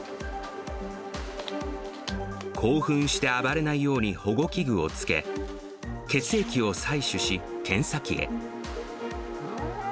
興奮して暴れないように保護器具をつけ、血液を採取し、検査機へ。